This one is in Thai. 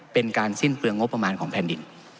เป็นการสิ้นเปลืองงบประมาณของแผ่นดิน